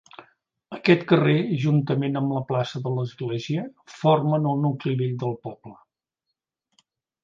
Aquest carrer juntament amb la plaça de l'Església formen el nucli vell del poble.